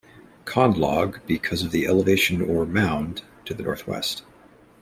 Conlogue because of the elevation or "mound" to the northwest.